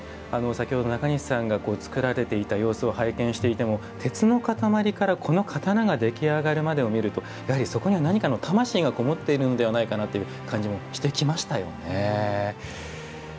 先ほど中西さんが作られていた様子を拝見しても鉄の塊から、刀が出来上がるまでを見るとやはりそこには何かの魂がこもっている気がしてきましたよね。